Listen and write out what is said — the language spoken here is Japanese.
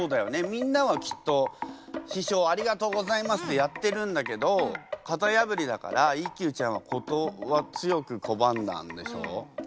みんなはきっと「師匠ありがとうございます」ってやってるんだけどかたやぶりだから一休ちゃんは強くこばんだんでしょ？